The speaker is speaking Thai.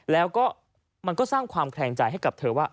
แล้วก็มันก็สร้างความแคลงใจให้กับเธอว่า